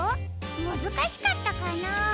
むずかしかったかな？